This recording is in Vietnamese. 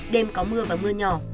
đêm có mưa và mưa nhỏ